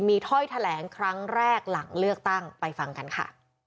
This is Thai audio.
มีถ้อยแถลงครั้งแรกหลังเลือกตั้งไปฟังกันค่ะ